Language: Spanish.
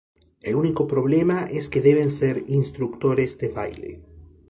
El único problema es que deben ser instructores de baile.